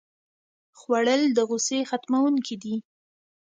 خوړل د غوسې ختموونکی دی